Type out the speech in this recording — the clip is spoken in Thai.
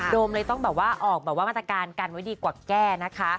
มเลยต้องแบบว่าออกแบบว่ามาตรการกันไว้ดีกว่าแก้นะคะ